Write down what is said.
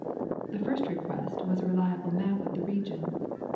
The first requisite was a reliable map of the region.